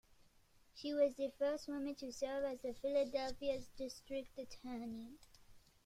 She was the first woman to serve as Philadelphia's district attorney.